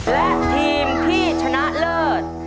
และทีมที่ชนะเลิศ